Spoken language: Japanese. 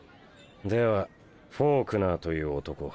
ではフォークナーという男